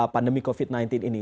pandemi covid sembilan belas ini